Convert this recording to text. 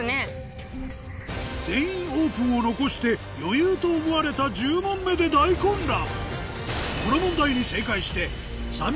「全員オープン」を残して余裕と思われた１０問目で大混乱